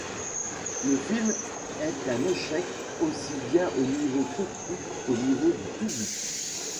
Le film est un échec aussi bien au niveau critique qu'au niveau du public.